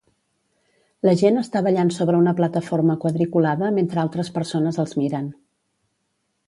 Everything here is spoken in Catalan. la gent està ballant sobre una plataforma quadriculada mentre altres persones els miren